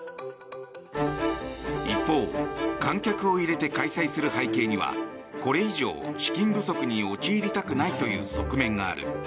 一方、観客を入れて開催する背景にはこれ以上、資金不足に陥りたくないという側面もある。